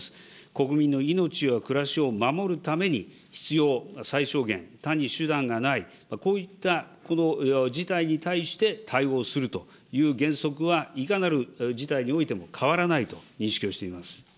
国民の命や暮らしを守るために必要最小限、他に手段がない、こういった事態に対して対応するという原則は、いかなる事態においても変わらないと認識をしています。